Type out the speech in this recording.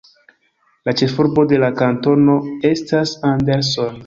La ĉefurbo de la kantono estas Anderson.